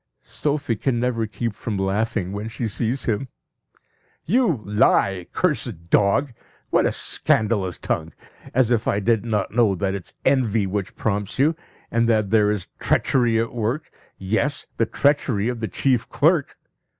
"Sophie can never keep from laughing when she sees him." You lie, cursed dog! What a scandalous tongue! As if I did not know that it is envy which prompts you, and that here there is treachery at work yes, the treachery of the chief clerk.